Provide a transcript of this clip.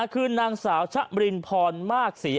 คือนางสาวชะมรินพรมากศรี